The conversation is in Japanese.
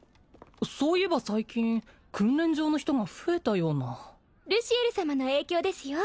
そういえば最近訓練場の人が増えたようなルシエル様の影響ですよ